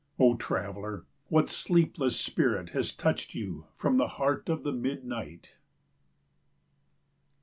O traveller, what sleepless spirit has touched you from the heart of the mid night?